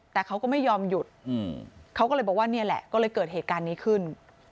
แต่เขาก็ไม่ยอมหยุดเขาก็เลยบอกว่านี่แหละก็เลยเกิดเหตุการณ์นี้ขึ้น